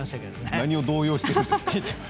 何を動揺してるんですか。